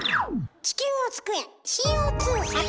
地球を救え！